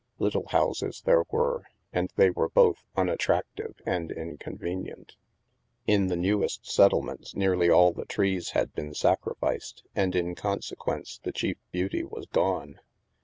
Little houses there were, and they were both un attractive and inconvenient. In the newest settlements nearly all the trees had been sacrificed and, in consequence, the chief beauty was gone.